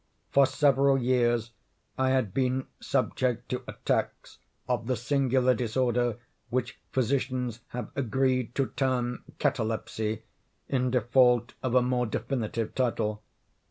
For several years I had been subject to attacks of the singular disorder which physicians have agreed to term catalepsy, in default of a more definitive title.